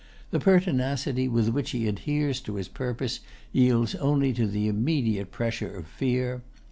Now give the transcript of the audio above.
The pertinacity with which he adheres to his purposes yields only to the immediate pressure of fear.